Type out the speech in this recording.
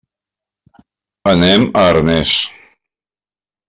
Anem a Arnes.